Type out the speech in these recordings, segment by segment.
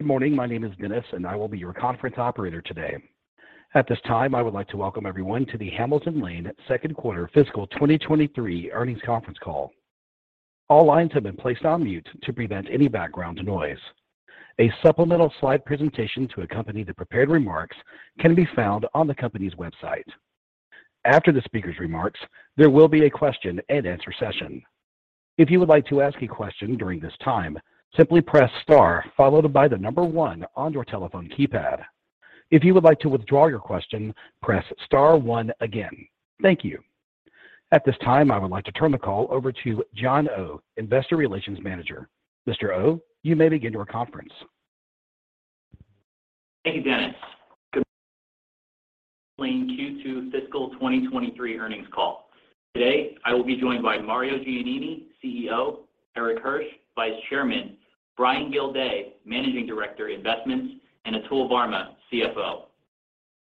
Good morning. My name is Dennis, and I will be your conference operator today. At this time, I would like to welcome everyone to the Hamilton Lane Second Quarter Fiscal 2023 Earnings Conference Call. All lines have been placed on mute to prevent any background noise. A supplemental slide presentation to accompany the prepared remarks can be found on the company's website. After the speaker's remarks, there will be a question-and-answer session. If you would like to ask a question during this time, simply press star followed by the number one on your telephone keypad. If you would like to withdraw your question, press star one again. Thank you. At this time, I would like to turn the call over to John Oh, Investor Relations Manager. Mr. Oh, you may begin your conference. Thank you, Dennis.Welcome to Hamilton Lane Q2 fiscal 2023 earnings call. Today, I will be joined by Mario Giannini, CEO, Erik Hirsch, Vice Chairman, Brian Gildea, Managing Director, Investments, and Atul Varma, CFO.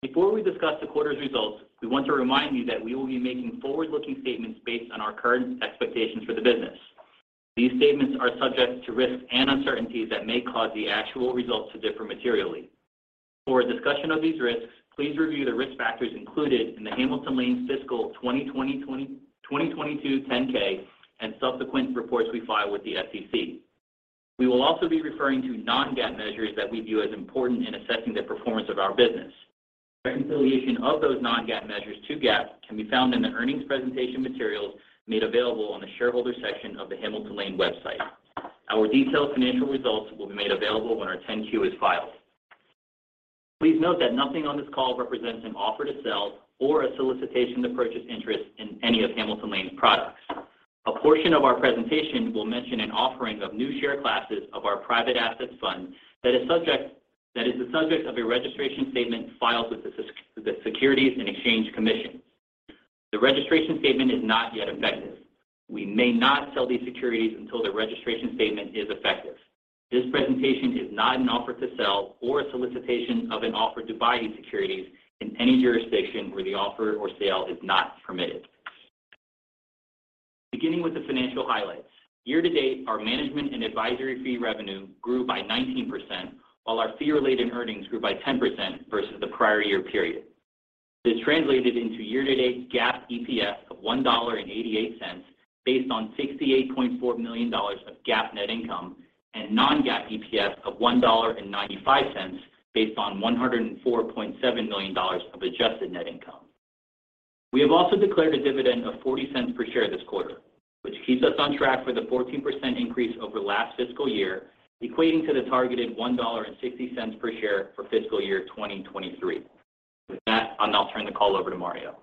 Before we discuss the quarter's results, we want to remind you that we will be making forward-looking statements based on our current expectations for the business. These statements are subject to risks and uncertainties that may cause the actual results to differ materially. For a discussion of these risks, please review the risk factors included in the Hamilton Lane fiscal 2022 10-K, and subsequent reports we file with the SEC. We will also be referring to non-GAAP measures that we view as important in assessing the performance of our business. Reconciliation of those non-GAAP measures to GAAP can be found in the earnings presentation materials made available on the shareholder section of the Hamilton Lane website. Our detailed financial results will be made available when our 10-Q is filed. Please note that nothing on this call represents an offer to sell or a solicitation to purchase interest in any of Hamilton Lane's products. A portion of our presentation will mention an offering of new share classes of our private asset fund that is the subject of a registration statement filed with the Securities and Exchange Commission. The registration statement is not yet effective. We may not sell these securities until the registration statement is effective. This presentation is not an offer to sell or a solicitation of an offer to buy these securities in any jurisdiction where the offer or sale is not permitted. Beginning with the financial highlights. Year to date, our management and advisory fee revenue grew by 19%, while our fee-related earnings grew by 10% versus the prior year period. This translated into year-to-date GAAP EPS of $1.88 based on $68.4 million of GAAP net income, and non-GAAP EPS of $1.95 based on $104.7 million of adjusted net income. We have also declared a dividend of $0.40 per share this quarter, which keeps us on track for the 14% increase over last fiscal year, equating to the targeted $1.60 per share for fiscal year 2023. With that, I'll now turn the call over to Mario.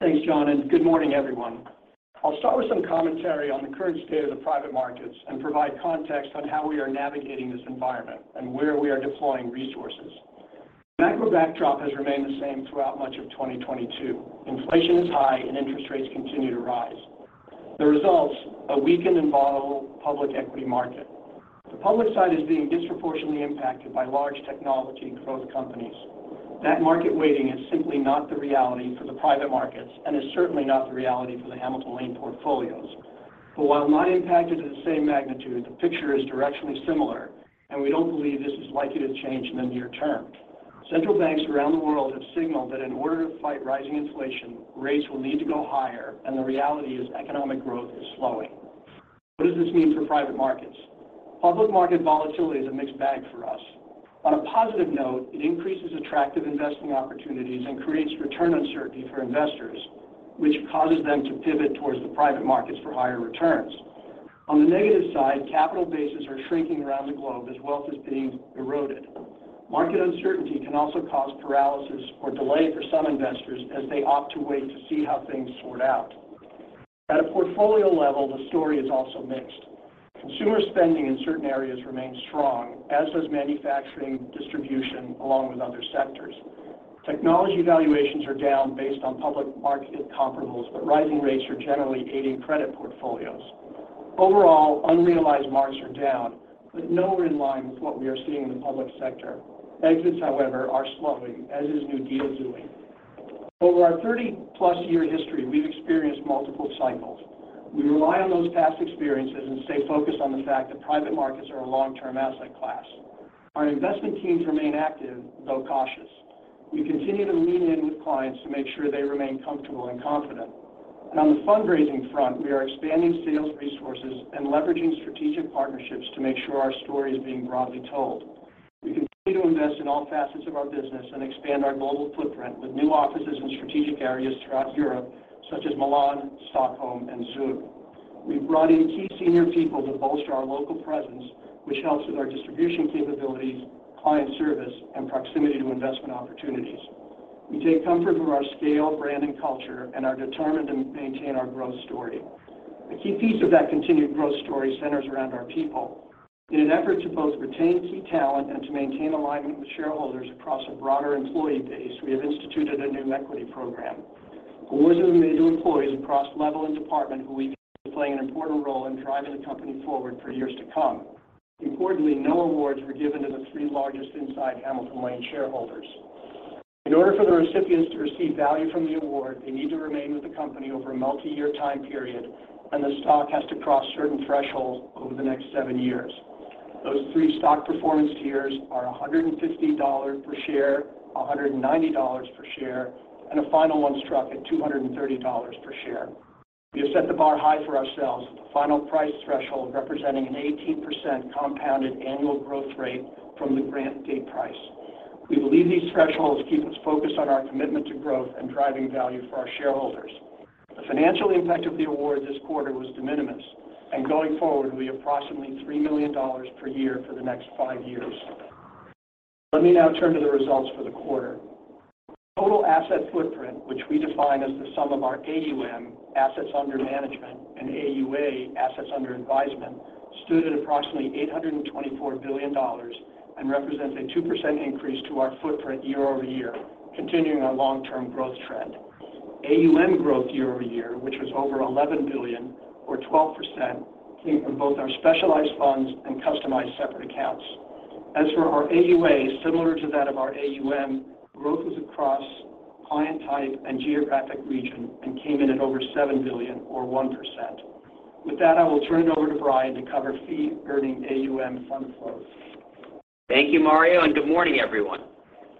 Thanks, John, and good morning, everyone. I'll start with some commentary on the current state of the private markets and provide context on how we are navigating this environment and where we are deploying resources. The macro backdrop has remained the same throughout much of 2022. Inflation is high, and interest rates continue to rise. The results, a weakened and volatile public equity market. The public side is being disproportionately impacted by large technology growth companies. That market weighting is simply not the reality for the private markets and is certainly not the reality for the Hamilton Lane portfolios. While not impacted to the same magnitude, the picture is directionally similar, and we don't believe this is likely to change in the near term. Central banks around the world have signaled that in order to fight rising inflation, rates will need to go higher, and the reality is economic growth is slowing. What does this mean for private markets? Public market volatility is a mixed bag for us. On a positive note, it increases attractive investing opportunities and creates return uncertainty for investors, which causes them to pivot towards the private markets for higher returns. On the negative side, capital bases are shrinking around the globe as wealth is being eroded. Market uncertainty can also cause paralysis or delay for some investors as they opt to wait to see how things sort out. At a portfolio level, the story is also mixed. Consumer spending in certain areas remains strong, as does manufacturing, distribution, along with other sectors. Technology valuations are down based on public market comparables, but rising rates are generally aiding credit portfolios. Overall, unrealized marks are down, but nowhere in line with what we are seeing in the public sector. Exits, however, are slowing, as is new deal doing. Over our 30+ year history, we've experienced multiple cycles. We rely on those past experiences and stay focused on the fact that private markets are a long-term asset class. Our investment teams remain active, though cautious. We continue to lean in with clients to make sure they remain comfortable and confident. On the fundraising front, we are expanding sales resources and leveraging strategic partnerships to make sure our story is being broadly told. We continue to invest in all facets of our business and expand our global footprint with new offices in strategic areas throughout Europe, such as Milan, Stockholm, and Zurich. We've brought in key senior people to bolster our local presence, which helps with our distribution capabilities, client service, and proximity to investment opportunities. We take comfort from our scale, brand, and culture, and are determined to maintain our growth story. A key piece of that continued growth story centers around our people. In an effort to both retain key talent and to maintain alignment with shareholders across a broader employee base, we have instituted a new equity program. Awards are made to employees across level and department who we believe are playing an important role in driving the company forward for years to come. Importantly, no awards were given to the three largest inside Hamilton Lane shareholders. In order for the recipients to receive value from the award, they need to remain with the company over a multi-year time period, and the stock has to cross certain thresholds over the next seven years. Those three stock performance tiers are $150 per share, $190 per share, and a final one struck at $230 per share. We have set the bar high for ourselves, with the final price threshold representing an 18% compounded annual growth rate from the grant date price. We believe these thresholds keep us focused on our commitment to growth and driving value for our shareholders. The financial impact of the award this quarter was de minimis, and going forward will be approximately $3 million per year for the next five years. Let me now turn to the results for the quarter. Total asset footprint, which we define as the sum of our AUM, Assets Under Management, and AUA, Assets Under Advisement, stood at approximately $824 billion and represents a 2% increase to our footprint year-over-year, continuing our long-term growth trend. AUM growth year-over-year, which was over $11 billion or 12%, came from both our Specialized Funds and Customized Separate Accounts. As for our AUA, similar to that of our AUM, growth was across client type and geographic region and came in at over $7 billion or 1%. With that, I will turn it over to Brian to cover Fee-Earning AUM fund flows. Thank you, Mario, and good morning, everyone.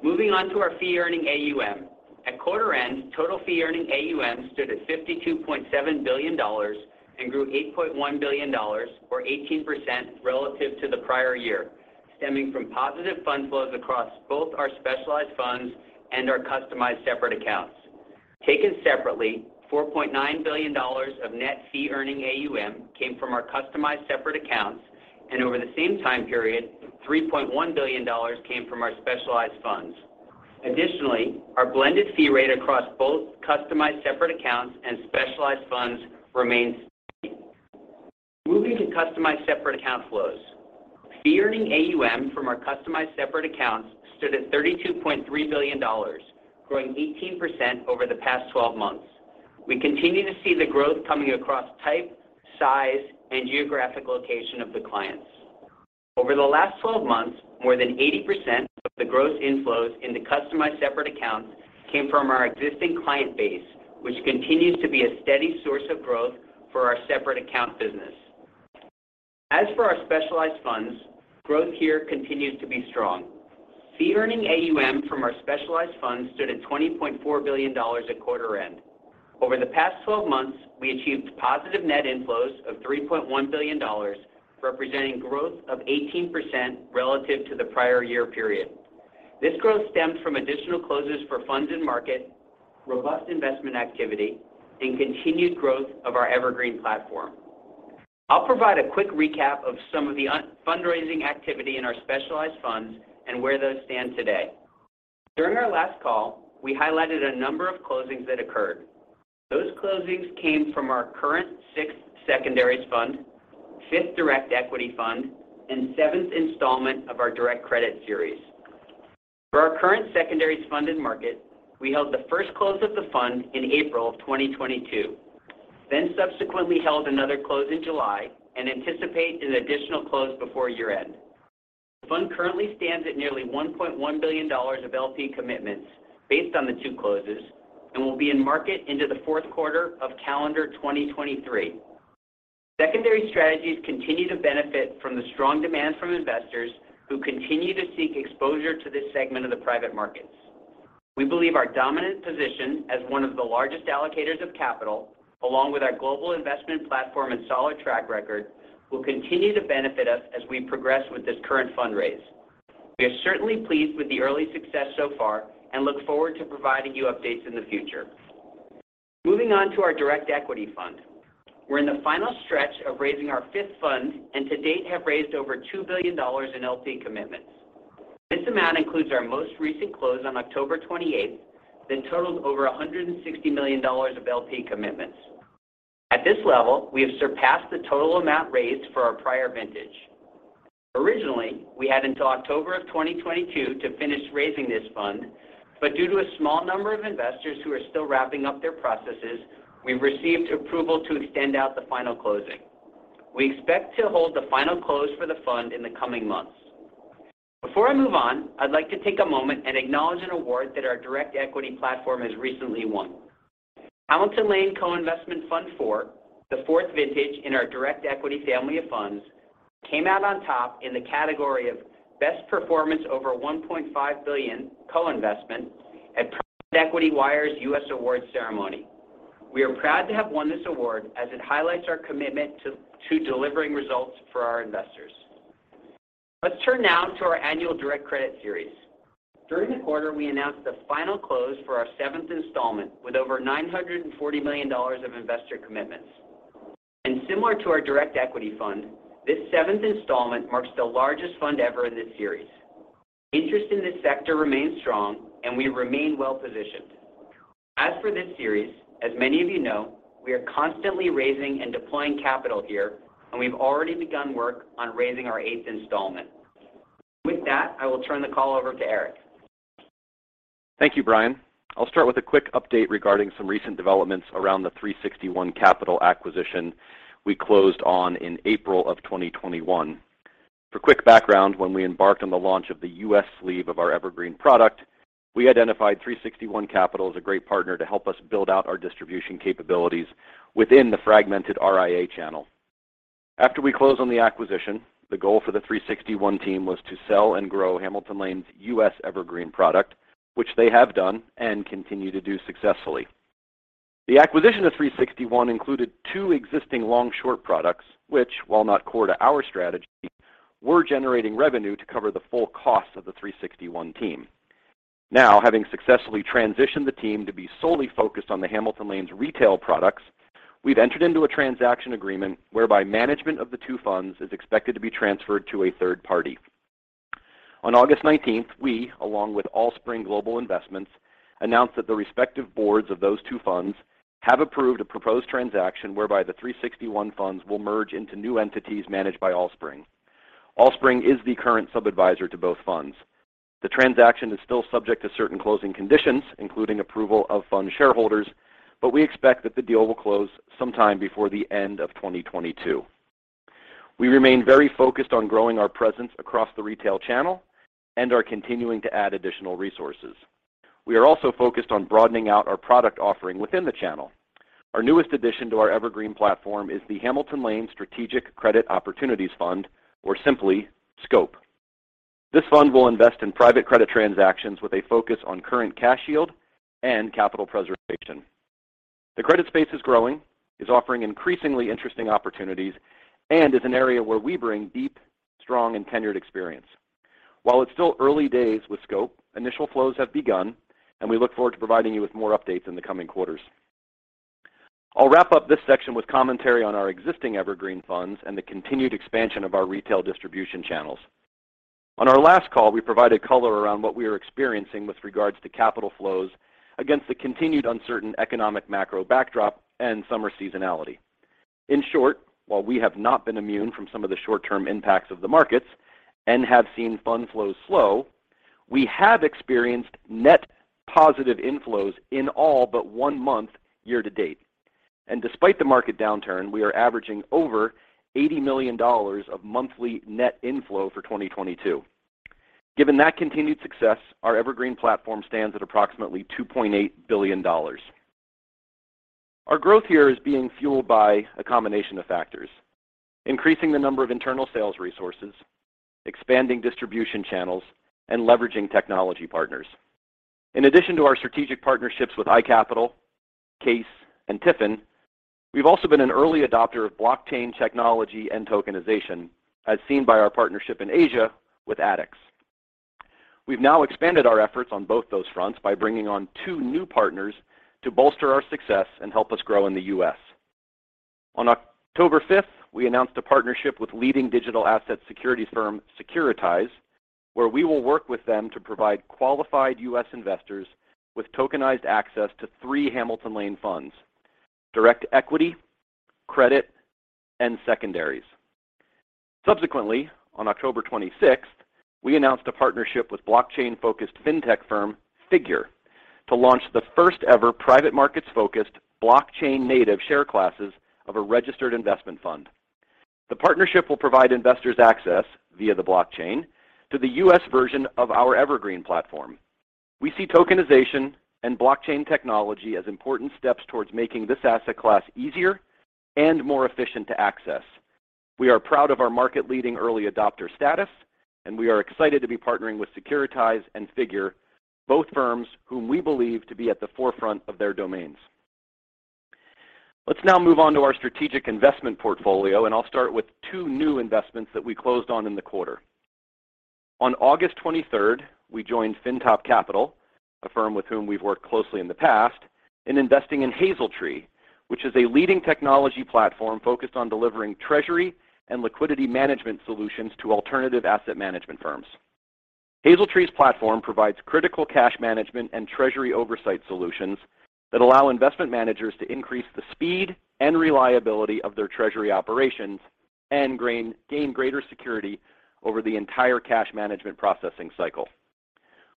Moving on to our Fee-Earning AUM. At quarter end, total Fee-Earning AUM stood at $52.7 billion and grew $8.1 billion or 18% relative to the prior year, stemming from positive fund flows across both our Specialized Funds and our Customized Separate Accounts. Taken separately, $4.9 billion of net Fee-Earning AUM came from our Customized Separate Accounts, and over the same time period, $3.1 billion came from our Specialized Funds. Additionally, our blended fee rate across both Customized Separate Accounts and Specialized Funds remains steady. Moving to Customized Separate Account flows. Fee-Earning AUM from our Customized Separate Accounts stood at $32.3 billion, growing 18% over the past twelve months. We continue to see the growth coming across type, size, and geographic location of the clients. Over the last 12 months, more than 80% of the gross inflows into Customized Separate Accounts came from our existing client base, which continues to be a steady source of growth for our separate account business. As for our Specialized Funds, growth here continues to be strong. Fee-Earning AUM from our Specialized Funds stood at $20.4 billion at quarter-end. Over the past 12 months, we achieved positive net inflows of $3.1 billion, representing growth of 18% relative to the prior year period. This growth stemmed from additional closes for funds in market, robust investment activity, and continued growth of our Evergreen platform. I'll provide a quick recap of some of the ongoing fundraising activity in our Specialized Funds and where those stand today. During our last call, we highlighted a number of closings that occurred. Those closings came from our current sixth secondaries fund, fifth direct equity fund, and seventh installment of our direct credit series. For our current secondaries fund and market, we held the first close of the fund in April 2022, then subsequently held another close in July and anticipate an additional close before year-end. The fund currently stands at nearly $1.1 billion of LP commitments based on the two closes and will be in market into the fourth quarter of calendar 2023. Secondary strategies continue to benefit from the strong demand from investors who continue to seek exposure to this segment of the private markets. We believe our dominant position as one of the largest allocators of capital, along with our global investment platform and solid track record, will continue to benefit us as we progress with this current fundraise. We are certainly pleased with the early success so far and look forward to providing you updates in the future. Moving on to our direct equity fund. We're in the final stretch of raising our fifth fund, and to date have raised over $2 billion in LP commitments. This amount includes our most recent close on October 28th, that totals over $160 million of LP commitments. At this level, we have surpassed the total amount raised for our prior vintage. Originally, we had until October 2022 to finish raising this fund, but due to a small number of investors who are still wrapping up their processes, we received approval to extend out the final closing. We expect to hold the final close for the fund in the coming months. Before I move on, I'd like to take a moment and acknowledge an award that our direct equity platform has recently won. Hamilton Lane Co-Investment Fund IV, the fourth vintage in our direct equity family of funds, came out on top in the category of Best Performance over $1.5 billion co-investment at Private Equity Wire's U.S. Awards ceremony. We are proud to have won this award as it highlights our commitment to delivering results for our investors. Let's turn now to our annual direct credit series. During the quarter, we announced the final close for our seventh installment with over $940 million of investor commitments. Similar to our direct equity fund, this seventh installment marks the largest fund ever in this series. Interest in this sector remains strong, and we remain well-positioned. As for this series, as many of you know, we are constantly raising and deploying capital here, and we've already begun work on raising our eighth installment. With that, I will turn the call over to Erik. Thank you, Brian. I'll start with a quick update regarding some recent developments around the 361 Capital acquisition we closed on in April of 2021. For quick background, when we embarked on the launch of the U.S. sleeve of our Evergreen product, we identified 361 Capital as a great partner to help us build out our distribution capabilities within the fragmented RIA channel. After we closed on the acquisition, the goal for the 361 Capital team was to sell and grow Hamilton Lane's U.S. Evergreen product, which they have done and continue to do successfully. The acquisition of 361 Capital included two existing long-short products which, while not core to our strategy, were generating revenue to cover the full cost of the 361 Capital team. Now, having successfully transitioned the team to be solely focused on the Hamilton Lane's retail products, we've entered into a transaction agreement whereby management of the two funds is expected to be transferred to a third party. On August 19th, we, along with Allspring Global Investments, announced that the respective boards of those two funds have approved a proposed transaction whereby the 361 Capital funds will merge into new entities managed by Allspring. Allspring is the current subadviser to both funds. The transaction is still subject to certain closing conditions, including approval of fund shareholders, but we expect that the deal will close sometime before the end of 2022. We remain very focused on growing our presence across the retail channel and are continuing to add additional resources. We are also focused on broadening out our product offering within the channel. Our newest addition to our Evergreen platform is the Hamilton Lane Senior Credit Opportunities Fund, or simply SCOPE. This fund will invest in private credit transactions with a focus on current cash yield and capital preservation. The credit space is growing, is offering increasingly interesting opportunities, and is an area where we bring deep, strong, and tenured experience. While it's still early days with SCOPE, initial flows have begun, and we look forward to providing you with more updates in the coming quarters. I'll wrap up this section with commentary on our existing Evergreen funds and the continued expansion of our retail distribution channels. On our last call, we provided color around what we are experiencing with regards to capital flows against the continued uncertain economic macro backdrop and summer seasonality. In short, while we have not been immune from some of the short-term impacts of the markets and have seen fund flows slow, we have experienced net positive inflows in all but one month year to date. Despite the market downturn, we are averaging over $80 million of monthly net inflow for 2022. Given that continued success, our Evergreen platform stands at approximately $2.8 billion. Our growth here is being fueled by a combination of factors, increasing the number of internal sales resources, expanding distribution channels, and leveraging technology partners. In addition to our strategic partnerships with iCapital, CAIS, and TIFIN, we've also been an early adopter of blockchain technology and tokenization, as seen by our partnership in Asia with ADDX. We've now expanded our efforts on both those fronts by bringing on two new partners to bolster our success and help us grow in the U.S. On October 5th, we announced a partnership with leading digital asset security firm Securitize, where we will work with them to provide qualified U.S. investors with tokenized access to three Hamilton Lane funds: direct equity, credit, and secondaries. Subsequently, on October 26th, we announced a partnership with blockchain-focused fintech firm Figure to launch the first-ever private markets-focused, blockchain-native share classes of a registered investment fund. The partnership will provide investors access via the blockchain to the U.S. version of our Evergreen platform. We see tokenization and blockchain technology as important steps towards making this asset class easier and more efficient to access. We are proud of our market-leading early adopter status, and we are excited to be partnering with Securitize and Figure, both firms whom we believe to be at the forefront of their domains. Let's now move on to our strategic investment portfolio, and I'll start with two new investments that we closed on in the quarter. On August 23rd, we joined FINTOP Capital, a firm with whom we've worked closely in the past, in investing in Hazeltree, which is a leading technology platform focused on delivering treasury and liquidity management solutions to alternative asset management firms. Hazeltree's platform provides critical cash management and treasury oversight solutions that allow investment managers to increase the speed and reliability of their treasury operations and gain greater security over the entire cash management processing cycle.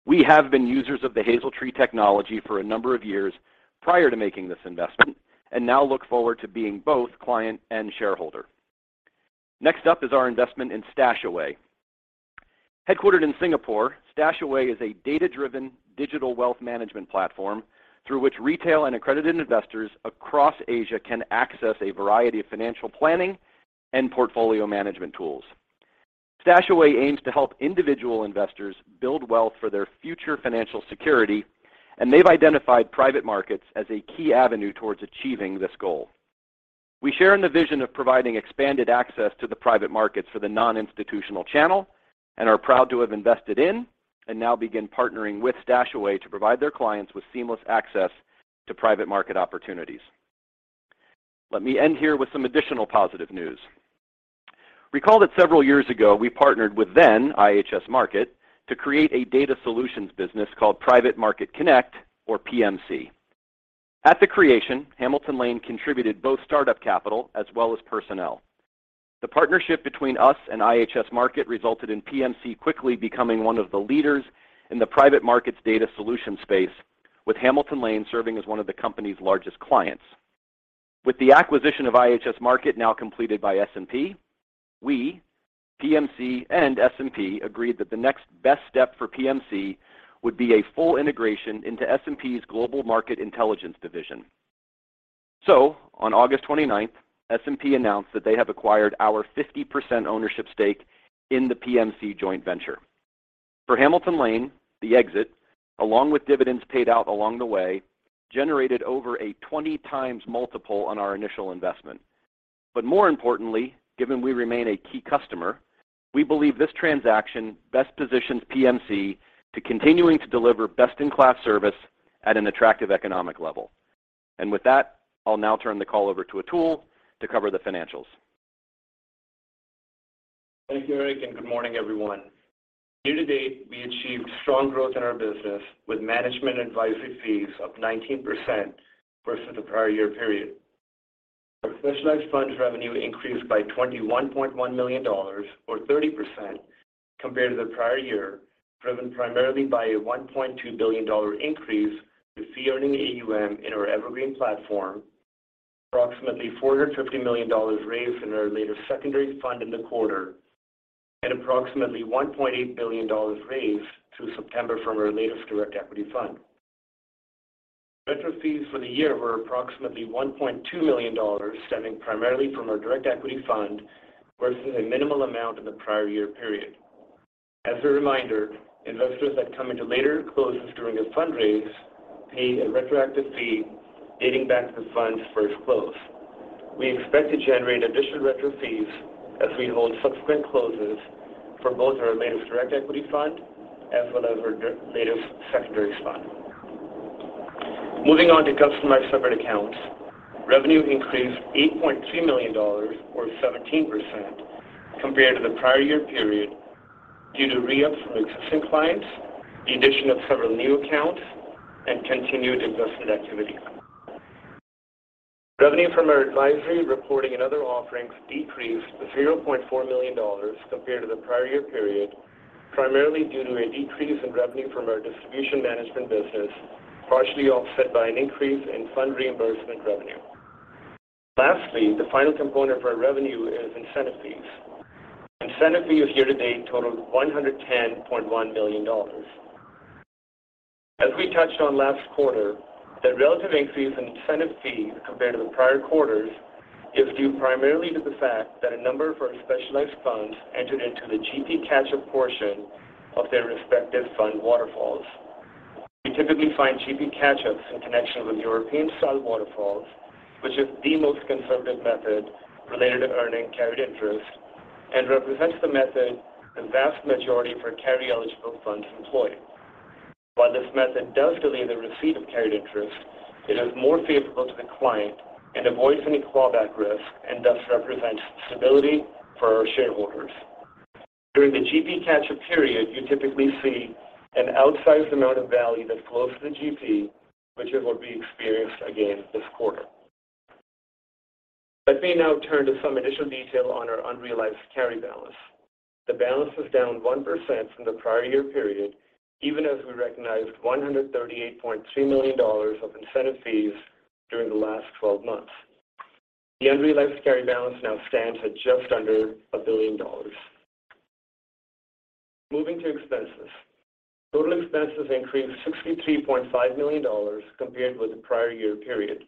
We have been users of the Hazeltree technology for a number of years prior to making this investment and now look forward to being both client and shareholder. Next up is our investment in StashAway. Headquartered in Singapore, StashAway is a data-driven digital wealth management platform through which retail and accredited investors across Asia can access a variety of financial planning and portfolio management tools. StashAway aims to help individual investors build wealth for their future financial security, and they've identified private markets as a key avenue towards achieving this goal. We share in the vision of providing expanded access to the private markets for the non-institutional channel and are proud to have invested in and now begin partnering with StashAway to provide their clients with seamless access to private market opportunities. Let me end here with some additional positive news. Recall that several years ago, we partnered with then IHS Markit to create a data solutions business called Private Market Connect, or PMC. At the creation, Hamilton Lane contributed both startup capital as well as personnel. The partnership between us and IHS Markit resulted in PMC quickly becoming one of the leaders in the private markets data solution space, with Hamilton Lane serving as one of the company's largest clients. With the acquisition of IHS Markit now completed by S&P, we, PMC, and S&P agreed that the next best step for PMC would be a full integration into S&P Global Market Intelligence division. On August 29th, S&P announced that they have acquired our 50% ownership stake in the PMC joint venture. For Hamilton Lane, the exit, along with dividends paid out along the way, generated over a 20x multiple on our initial investment. More importantly, given we remain a key customer, we believe this transaction best positions PMC to continuing to deliver best-in-class service at an attractive economic level. With that, I'll now turn the call over to Atul to cover the financials. Thank you, Erik, and good morning, everyone. Year-to-date, we achieved strong growth in our business with management advisory fees up 19% versus the prior year period. Our Specialized Funds revenue increased by $21.1 million or 30% compared to the prior year, driven primarily by a $1.2 billion increase in fee-earning AUM in our Evergreen platform, approximately $450 million raised in our latest secondary fund in the quarter, and approximately $1.8 billion raised through September from our latest direct equity fund. Retro fees for the year were approximately $1.2 million, stemming primarily from our direct equity fund versus a minimal amount in the prior year period. As a reminder, investors that come into later closes during a fundraise pay a retroactive fee dating back to the fund's first close. We expect to generate additional retro fees as we hold subsequent closes for both our latest direct equity fund as well as our latest secondary fund. Moving on to Customized Separate Accounts, revenue increased $8.2 million or 17% compared to the prior year period due to re-ups from existing clients, the addition of several new accounts, and continued investment activity. Revenue from our advisory, reporting, and other offerings decreased to $0.4 million compared to the prior year period, primarily due to a decrease in revenue from our distribution management business, partially offset by an increase in fund reimbursement revenue. Lastly, the final component of our revenue is incentive fees. Incentive fees year-to-date totaled $110.1 million. As we touched on last quarter, the relative increase in incentive fees compared to the prior quarters is due primarily to the fact that a number of our Specialized Funds entered into the GP catch-up portion of their respective fund waterfalls. You typically find GP catch-ups in connection with European-style waterfalls, which is the most conservative method related to earning carried interest and represents the method the vast majority of our carry-eligible funds employ. While this method does delay the receipt of carried interest, it is more favorable to the client and avoids any clawback risk and thus represents stability for our shareholders. During the GP catch-up period, you typically see an outsized amount of value that flows to the GP, which is what we experienced again this quarter. Let me now turn to some additional detail on our unrealized carry balance. The balance was down 1% from the prior year period, even as we recognized $138.2 million of incentive fees during the last 12 months. The unrealized carry balance now stands at just under $1 billion. Moving to expenses. Total expenses increased $63.5 million compared with the prior year period.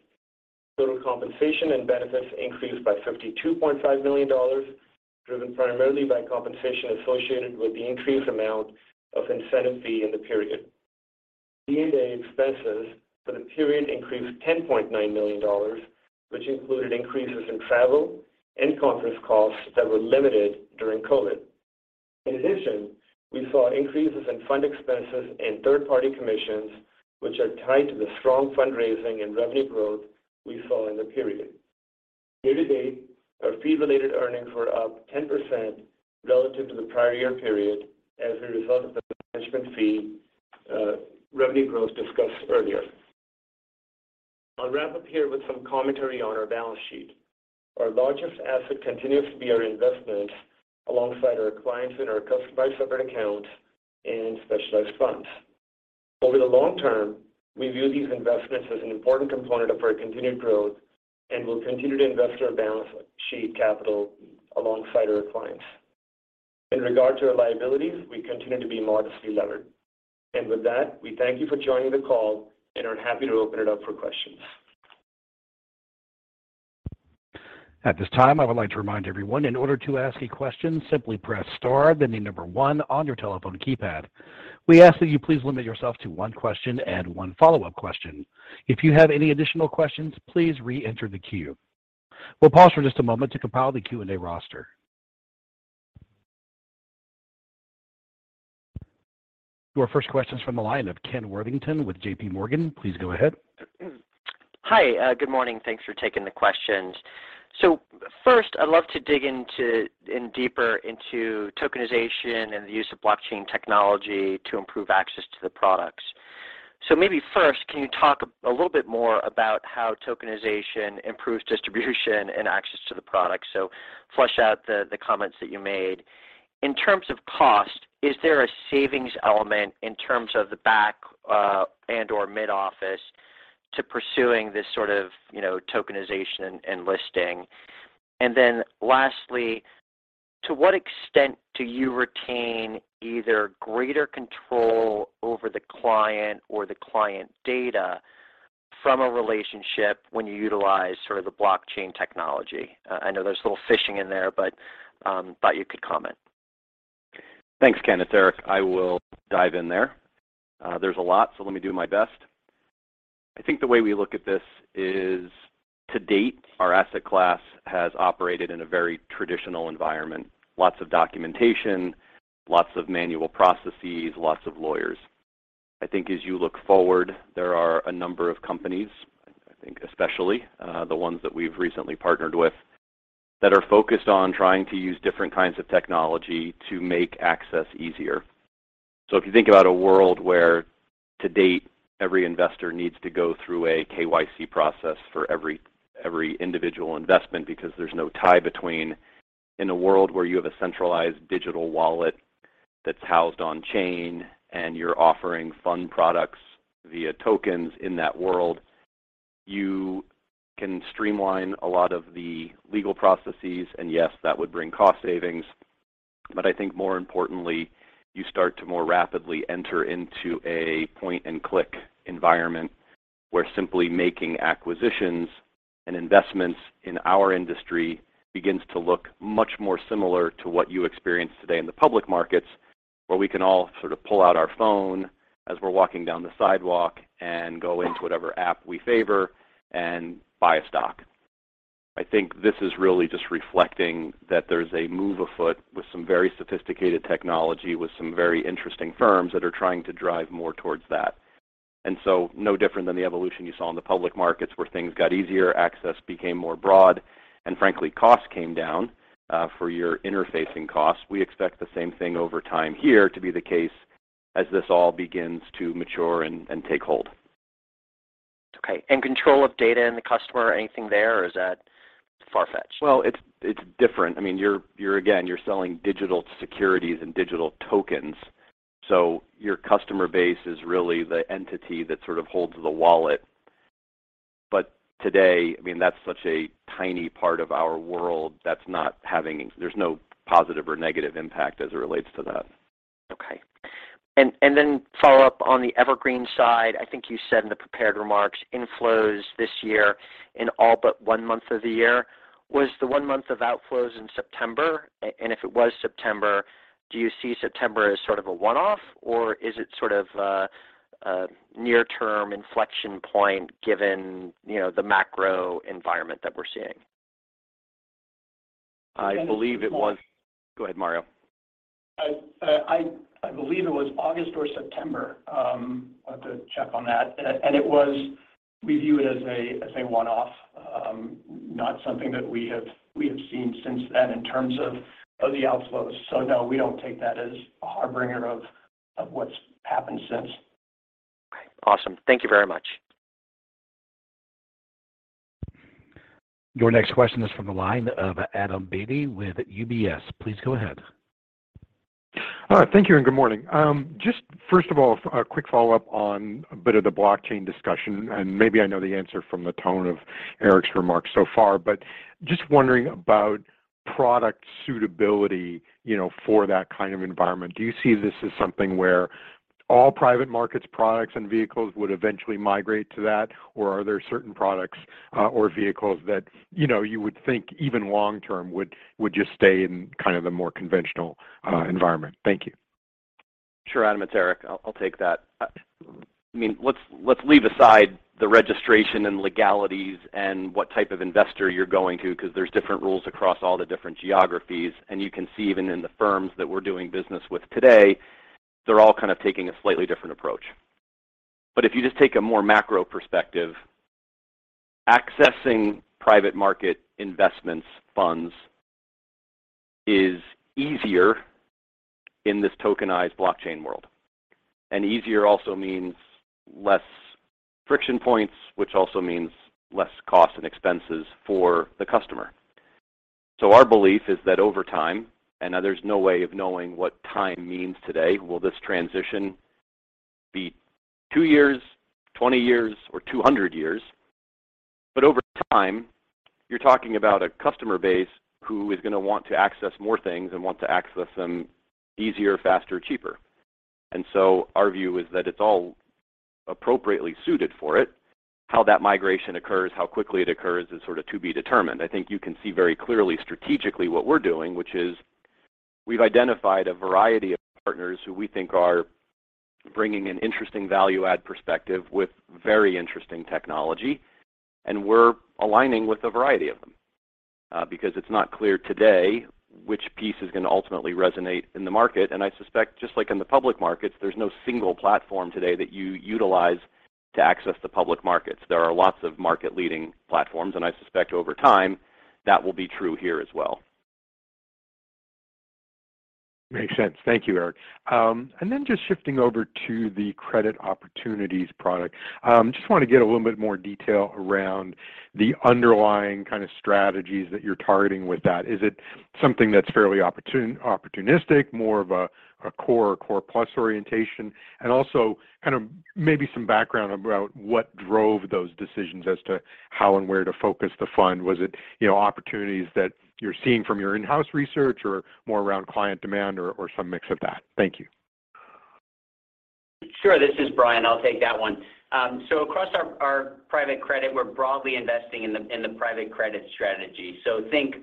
Total compensation and benefits increased by $52.5 million, driven primarily by compensation associated with the increased amount of incentive fee in the period. G&A expenses for the period increased $10.9 million, which included increases in travel and conference costs that were limited during COVID. In addition, we saw increases in fund expenses and third-party commissions, which are tied to the strong fundraising and revenue growth we saw in the period. Year-to-date, our fee-related earnings were up 10% relative to the prior year period as a result of the management fee revenue growth discussed earlier. I'll wrap up here with some commentary on our balance sheet. Our largest asset continues to be our investment alongside our clients in our Customized Separate Account and Specialized Funds. Over the long term, we view these investments as an important component of our continued growth, and we'll continue to invest our balance sheet capital alongside our clients. In regard to our liabilities, we continue to be modestly levered. With that, we thank you for joining the call and are happy to open it up for questions. At this time, I would like to remind everyone in order to ask a question, simply press star then the number one on your telephone keypad. We ask that you please limit yourself to one question and one follow-up question. If you have any additional questions, please re-enter the queue. We'll pause for just a moment to compile the Q&A roster. Your first question's from the line of Ken Worthington with JPMorgan. Please go ahead. Hi. Good morning. Thanks for taking the questions. First, I'd love to dig deeper into tokenization and the use of blockchain technology to improve access to the products. Maybe first, can you talk a little bit more about how tokenization improves distribution and access to the product? Flesh out the comments that you made. In terms of cost, is there a savings element in terms of the back and/or mid-office to pursuing this sort of, you know, tokenization and listing? Lastly, to what extent do you retain either greater control over the client or the client data from a relationship when you utilize sort of the blockchain technology? I know there's a little fishing in there, but thought you could comment. Thanks, Ken. Erik, I will dive in there. There's a lot, so let me do my best. I think the way we look at this is, to date, our asset class has operated in a very traditional environment. Lots of documentation, lots of manual processes, lots of lawyers. I think as you look forward, there are a number of companies, I think especially, the ones that we've recently partnered with, that are focused on trying to use different kinds of technology to make access easier. If you think about a world where to date, every investor needs to go through a KYC process for every individual investment because there's no tie between. In a world where you have a centralized digital wallet that's housed on chain and you're offering fund products via tokens in that world, you can streamline a lot of the legal processes, and yes, that would bring cost savings. I think more importantly, you start to more rapidly enter into a point-and-click environment where simply making acquisitions and investments in our industry begins to look much more similar to what you experience today in the public markets, where we can all sort of pull out our phone as we're walking down the sidewalk and go into whatever app we favor and buy a stock. I think this is really just reflecting that there's a move afoot with some very sophisticated technology, with some very interesting firms that are trying to drive more towards that. No different than the evolution you saw in the public markets where things got easier, access became more broad, and frankly, costs came down for your interfacing costs. We expect the same thing over time here to be the case as this all begins to mature and take hold. Okay. Control of data and the customer, anything there, or is that far-fetched? Well, it's different. I mean, you're again selling digital securities and digital tokens, so your customer base is really the entity that sort of holds the wallet. Today, I mean, that's such a tiny part of our world. There's no positive or negative impact as it relates to that. Okay. Then follow up on the Evergreen side. I think you said in the prepared remarks inflows this year in all but one month of the year. Was the one month of outflows in September? And if it was September, do you see September as sort of a one-off, or is it sort of a near-term inflection point given, you know, the macro environment that we're seeing? I believe it was- I think it was. Go ahead, Mario. I believe it was August or September. I'll have to check on that. We view it as a one-off, not something that we have seen since then in terms of the outflows. No, we don't take that as a harbinger of what's happened since. Okay. Awesome. Thank you very much. Your next question is from the line of Adam Beatty with UBS. Please go ahead. Thank you and good morning. Just first of all, a quick follow-up on a bit of the blockchain discussion, and maybe I know the answer from the tone of Erik's remarks so far, but just wondering about product suitability, you know, for that kind of environment. Do you see this as something where all private markets products and vehicles would eventually migrate to that? Or are there certain products or vehicles that, you know, you would think even long term would just stay in kind of a more conventional environment? Thank you. Sure, Adam. It's Erik. I'll take that. I mean, let's leave aside the registration and legalities and what type of investor you're going to 'cause there's different rules across all the different geographies. You can see even in the firms that we're doing business with today, they're all kind of taking a slightly different approach. If you just take a more macro perspective, accessing private market investment funds is easier in this tokenized blockchain world. Easier also means less friction points, which also means less costs and expenses for the customer. Our belief is that over time, and there's no way of knowing what time means today, will this transition be two years, 20 years, or 200 years? Over time, you're talking about a customer base who is gonna want to access more things and want to access them easier, faster, cheaper. Our view is that it's all appropriately suited for it. How that migration occurs, how quickly it occurs is sort of to be determined. I think you can see very clearly strategically what we're doing, which is we've identified a variety of partners who we think are bringing an interesting value add perspective with very interesting technology, and we're aligning with a variety of them. Because it's not clear today which piece is gonna ultimately resonate in the market. I suspect just like in the public markets, there's no single platform today that you utilize to access the public markets. There are lots of market leading platforms, and I suspect over time, that will be true here as well. Makes sense. Thank you, Erik. Just shifting over to the credit opportunities product. Just wanna get a little bit more detail around the underlying kind of strategies that you're targeting with that. Is it something that's fairly opportunistic, more of a core plus orientation? Also kind of maybe some background about what drove those decisions as to how and where to focus the fund. Was it, you know, opportunities that you're seeing from your in-house research or more around client demand or some mix of that? Thank you. Sure. This is Brian. I'll take that one. Across our private credit, we're broadly investing in the private credit strategy. Think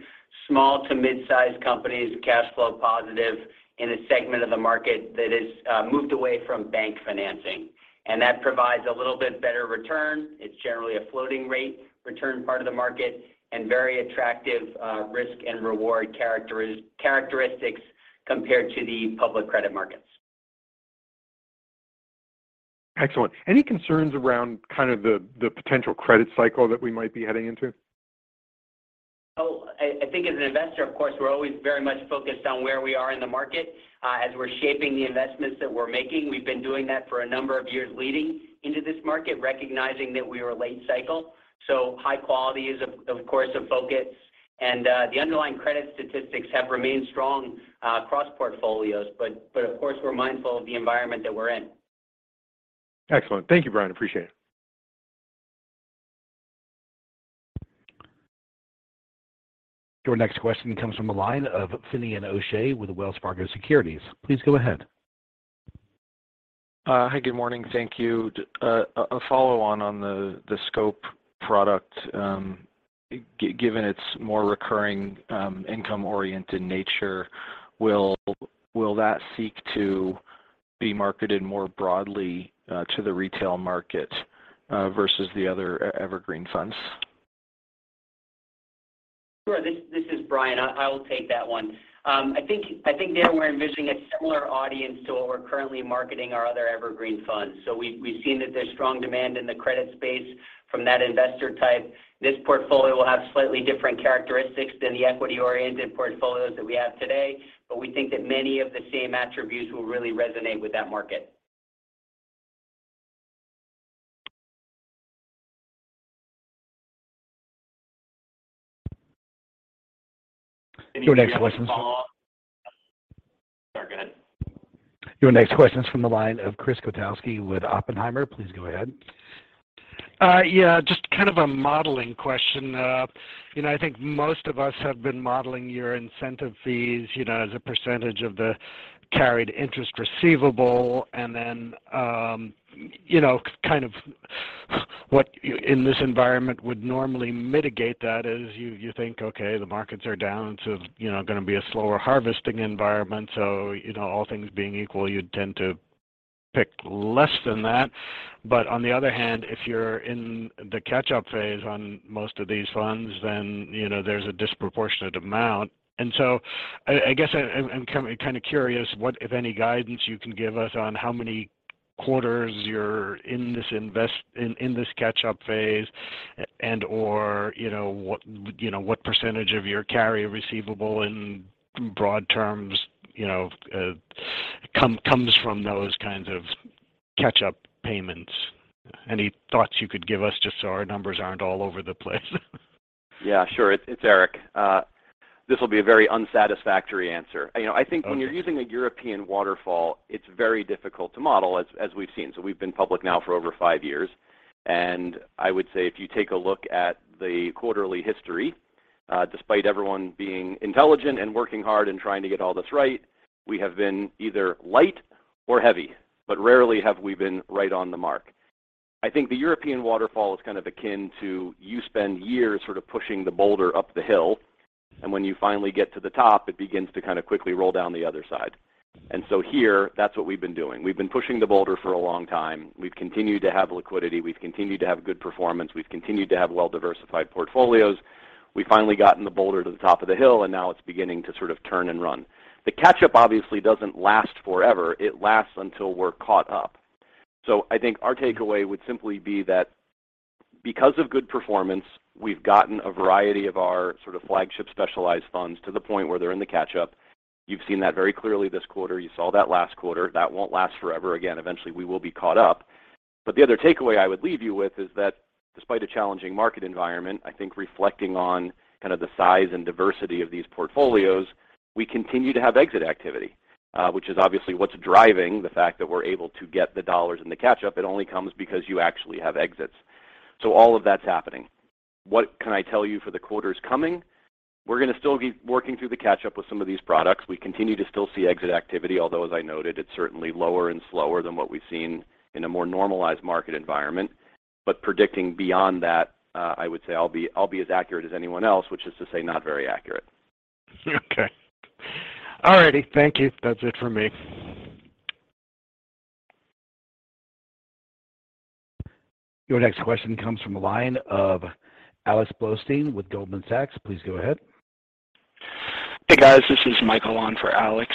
small to mid-size companies, cash flow positive in a segment of the market that is moved away from bank financing, and that provides a little bit better return. It's generally a floating rate return part of the market and very attractive risk and reward characteristics compared to the public credit markets. Excellent. Any concerns around kind of the potential credit cycle that we might be heading into? I think as an investor, of course, we're always very much focused on where we are in the market, as we're shaping the investments that we're making. We've been doing that for a number of years leading into this market, recognizing that we are late cycle. High quality is of course a focus. The underlying credit statistics have remained strong across portfolios. Of course, we're mindful of the environment that we're in. Excellent. Thank you, Brian. Appreciate it. Your next question comes from the line of Finian O'Shea with Wells Fargo Securities. Please go ahead. Hi. Good morning. Thank you. A follow-on to the SCOPE product. Given its more recurring income-oriented nature, will that seek to be marketed more broadly to the retail market versus the other Evergreen funds? Sure. This is Brian. I will take that one. I think that we're envisioning a similar audience to what we're currently marketing our other evergreen funds. We've seen that there's strong demand in the credit space from that investor type. This portfolio will have slightly different characteristics than the equity-oriented portfolios that we have today, but we think that many of the same attributes will really resonate with that market. Your next question. Sorry, go ahead. Your next question is from the line of Chris Kotowski with Oppenheimer. Please go ahead. Yeah, just kind of a modeling question. You know, I think most of us have been modeling your incentive fees, you know, as a percentage of the carried interest receivable. You know, kind of what in this environment would normally mitigate that is you think, okay, the markets are down, so you know gonna be a slower harvesting environment. You know, all things being equal, you'd tend to pick less than that. On the other hand, if you're in the catch-up phase on most of these funds, then you know there's a disproportionate amount. I guess I'm kinda curious what, if any, guidance you can give us on how many quarters you're in this catch-up phase and/or, you know, what, you know, what percentage of your carry receivable in broad terms, you know, comes from those kinds of catch-up payments. Any thoughts you could give us just so our numbers aren't all over the place? Yeah, sure. It's Erik. This will be a very unsatisfactory answer. You know, I think when you're using a European waterfall, it's very difficult to model, as we've seen. We've been public now for over five years, and I would say if you take a look at the quarterly history, despite everyone being intelligent and working hard and trying to get all this right, we have been either light or heavy, but rarely have we been right on the mark. I think the European waterfall is kind of akin to you spend years sort of pushing the boulder up the hill, and when you finally get to the top, it begins to kinda quickly roll down the other side. Here, that's what we've been doing. We've been pushing the boulder for a long time. We've continued to have liquidity. We've continued to have good performance. We've continued to have well-diversified portfolios. We've finally gotten the boulder to the top of the hill, and now it's beginning to sort of turn and run. The catch-up obviously doesn't last forever. It lasts until we're caught up. I think our takeaway would simply be that because of good performance, we've gotten a variety of our sort of flagship Specialized Funds to the point where they're in the catch-up. You've seen that very clearly this quarter. You saw that last quarter. That won't last forever. Again, eventually we will be caught up. The other takeaway I would leave you with is that despite a challenging market environment, I think reflecting on kind of the size and diversity of these portfolios, we continue to have exit activity, which is obviously what's driving the fact that we're able to get the dollars in the catch-up. It only comes because you actually have exits. All of that's happening. What can I tell you for the quarters coming? We're gonna still be working through the catch-up with some of these products. We continue to still see exit activity, although as I noted, it's certainly lower and slower than what we've seen in a more normalized market environment. Predicting beyond that, I would say I'll be as accurate as anyone else, which is to say not very accurate. Okay. All righty. Thank you. That's it for me. Your next question comes from the line of Alex Blostein with Goldman Sachs. Please go ahead. Hey, guys, this is Michael on for Alex.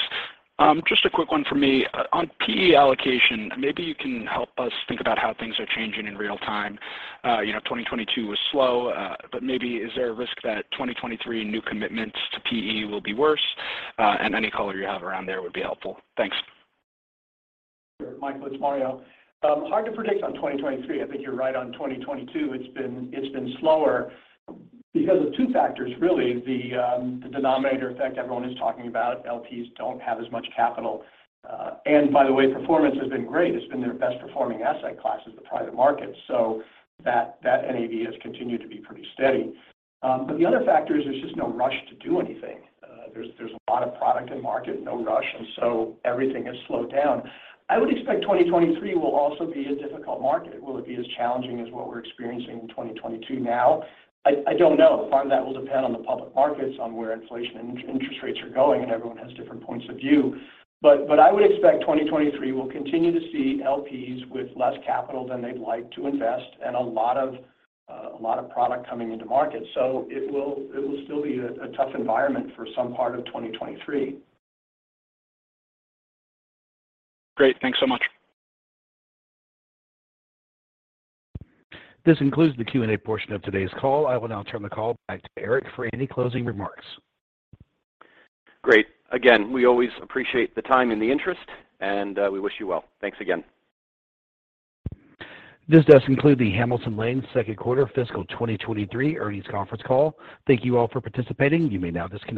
Just a quick one for me. On PE allocation, maybe you can help us think about how things are changing in real time. You know, 2022 was slow, but maybe is there a risk that 2023 new commitments to PE will be worse? Any color you have around there would be helpful. Thanks. Sure, Michael, it's Mario. Hard to predict on 2023. I think you're right on 2022. It's been slower because of two factors, really. The denominator effect everyone is talking about. LPs don't have as much capital. And by the way, performance has been great. It's been their best performing asset class is the private market. So that NAV has continued to be pretty steady. But the other factor is there's just no rush to do anything. There's a lot of product in market, no rush, and so everything has slowed down. I would expect 2023 will also be a difficult market. Will it be as challenging as what we're experiencing in 2022 now? I don't know. Part of that will depend on the public markets, on where inflation and interest rates are going, and everyone has different points of view. I would expect 2023 will continue to see LPs with less capital than they'd like to invest and a lot of product coming into market. It will still be a tough environment for some part of 2023. Great. Thanks so much. This concludes the Q&A portion of today's call. I will now turn the call back to Erik for any closing remarks. Great. Again, we always appreciate the time and the interest, and we wish you well. Thanks again. This does conclude the Hamilton Lane second quarter fiscal 2023 earnings conference call. Thank you all for participating. You may now disconnect.